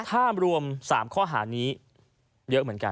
ถ้ารวม๓ข้อหานี้เยอะเหมือนกัน